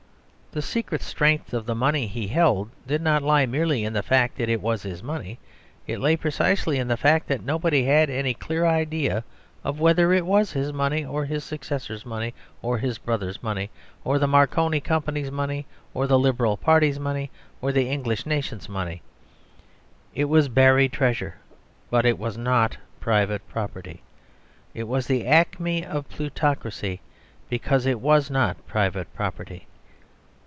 The secret strength of the money he held did not lie merely in the fact that it was his money. It lay precisely in the fact that nobody had any clear idea of whether it was his money, or his successor's money, or his brother's money, or the Marconi Company's money, or the Liberal Party's money, or the English Nation's money. It was buried treasure; but it was not private property. It was the acme of plutocracy because it was not private property.